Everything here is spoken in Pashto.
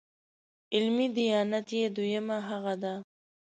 علمي دیانت یې دویمه هغه ده.